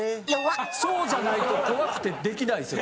そうじゃないと怖くて出来ないっすよ。